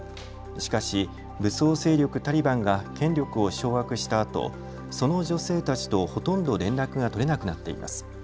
しかし武装勢力タリバンが権力を掌握したあと、その女性たちとほとんど連絡が取れなくなっています。